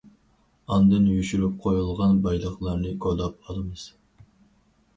ئاندىن يوشۇرۇپ قويۇلغان بايلىقلارنى كولاپ ئالىمىز.